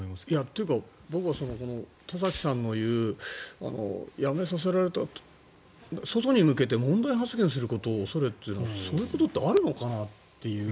というか僕は田崎さんの言う辞めさせられて外に向けて問題発言することを恐れてっていうそういうことってあるのかなっていう。